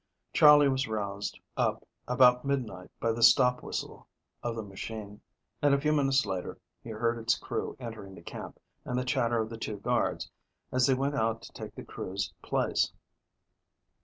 Charley was roused up about midnight by the stop whistle of the machine, and a few minutes later he heard its crew entering the camp, and the chatter of the two guards, as they went out to take the crew's place.